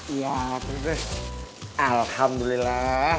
iya tante alhamdulillah